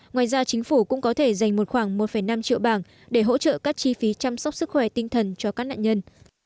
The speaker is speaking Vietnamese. ngoài ra chính phủ cũng có thể dành một khoảng một năm triệu bảng để hỗ trợ các chi phí chăm sóc sức khỏe tinh thần cho các nạn nhân